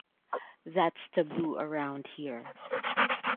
That's taboo around here.